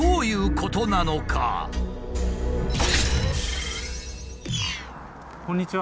こんにちは。